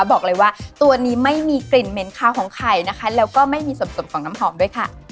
บอกเลยว่าตัวนี้ไม่มีกลิ่นเหม็นคาวของไข่นะคะแล้วก็ไม่มีส่วนของน้ำหอมด้วยค่ะ